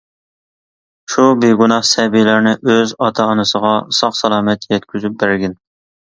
شۇ بىگۇناھ سەبىيلەرنى ئۆز ئاتا-ئانىسىغا ساق-سالامەت يەتكۈزۈپ بەرگىن!